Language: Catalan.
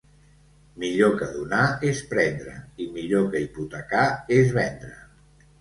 Millor que donar és prendre; i millor que hipotecar és vendre.